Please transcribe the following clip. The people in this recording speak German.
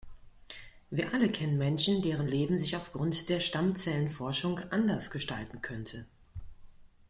Wir alle kennen Menschen, deren Leben sich aufgrund der Stammzellenforschung anders gestalten könnte.